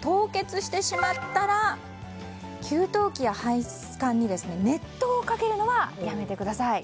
凍結してしまったら給湯器や配管に熱湯をかけるのはやめてください。